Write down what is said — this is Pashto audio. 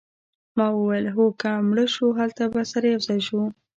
ما وویل هو که مړه شوو هلته به سره یوځای شو